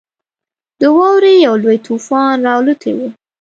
د واورې یو لوی طوفان راالوتی وو.